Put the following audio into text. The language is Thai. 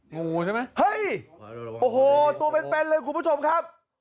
งูใช่ไหมเฮ้ยโอ้โหตัวเป็นเลยคุณผู้ชมครับ